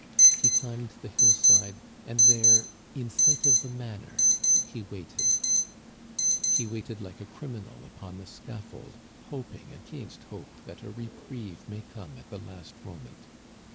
He climbed the hillside, and there, in sight of the manor, he waited ; he waited like a criminal upon the scaffold, hoping against hope that a reprieve may come at the last moment.